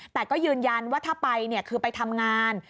แต่ก็ยืนยันว่าถ้าไปคือไปทำงาน